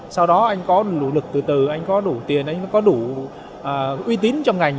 sau đó anh có đủ lực từ từ anh có đủ tiền anh có đủ uy tín trong ngành